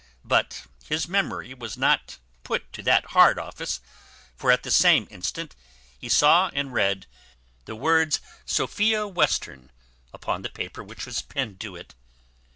But his memory was not put to that hard office; for at the same instant he saw and read the words Sophia Western upon the paper which was pinned to it.